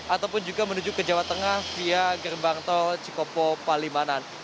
ataupun juga menuju ke jawa tengah via gerbang tol cikopo palimanan